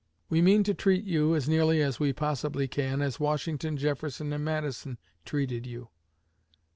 We mean to treat you, as nearly as we possibly can, as Washington, Jefferson, and Madison treated you.